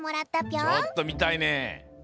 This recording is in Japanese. ちょっとみたいね。